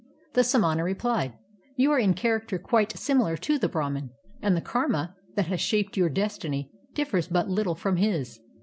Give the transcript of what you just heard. The samana replied: " You are in character quite sim ilar to the Brahman, and the karma that has shaped your destiny differs but little from his.